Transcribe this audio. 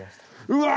うわ！